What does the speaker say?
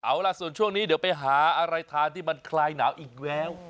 เอาล่ะส่วนช่วงนี้เดี๋ยวไปหาอะไรทานที่มันคลายหนาวอีกแล้ว